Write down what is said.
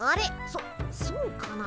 そそうかな？